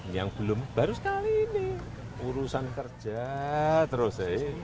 yang belum baru sekali ini urusan kerja terus